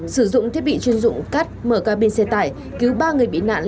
sử dụng thiết bị chuyên dụng cắt mở cabin xe tải cứu ba người bị nạn